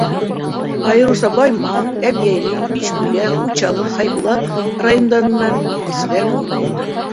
Айырыуса Баймаҡ, Әбйәлил, Бишбүләк, Учалы, Хәйбулла райондарынан әсәләр күп булды.